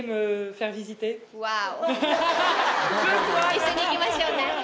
一緒に行きましょうね。